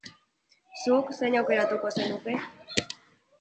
Zuk, zein aukeratuko zenuke?